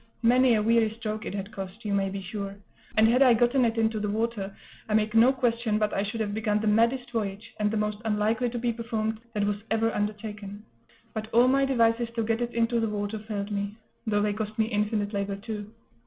Many a weary stroke it had cost, you may be sure; and had I gotten it into the water, I make no question but I should have begun the maddest voyage, and the most unlikely to be performed, that ever was undertaken. But all my devices to get it into the water failed me; though they cost me infinite labor, too.